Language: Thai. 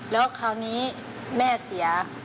แล้วคราวนี้แม่เสีย